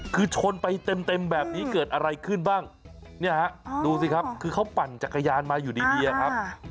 คือชนไปเต็มแบบนี้เกิดอะไรขึ้นบ้างเนี่ยฮะดูสิครับคือเขาปั่นจักรยานมาอยู่ดีอะครับ